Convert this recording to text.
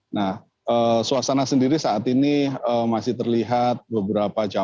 nah suasana sendiri saat ini masih terlihat beberapa jam